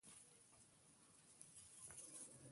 ایا خدای دې تاسو ته اجر درکړي؟